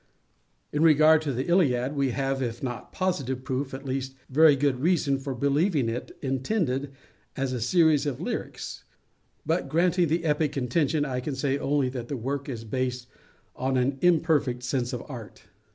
In regard to the Iliad, we have, if not positive proof, at least very good reason for believing it intended as a series of lyrics; but, granting the epic intention, I can say only that the work is based in an imperfect sense of art.